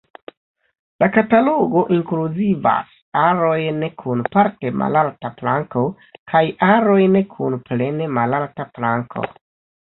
La katalogo inkluzivas arojn kun parte malalta planko kaj arojn kun plene malalta planko.